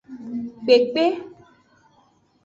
Kpekpe.